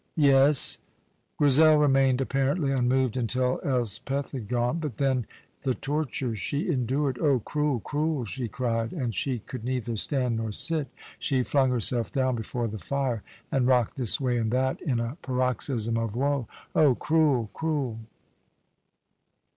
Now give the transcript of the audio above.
Yes; Grizel remained apparently unmoved until Elspeth had gone, but then the torture she endured! "Oh, cruel, cruel!" she cried, and she could neither stand nor sit; she flung herself down before the fire and rocked this way and that, in a paroxysm of woe. "Oh, cruel, cruel!"